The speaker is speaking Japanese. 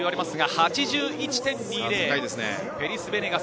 ８１．２０。